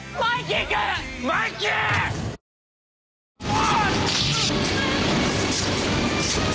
あっ！